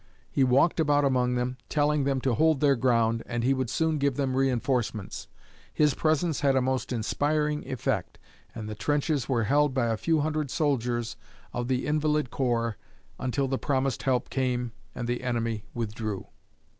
He walked about among them, telling them to hold their ground and he would soon give them reinforcements. His presence had a most inspiring effect, and the trenches were held by a few hundred soldiers of the Invalid Corps until the promised help came and the enemy withdrew.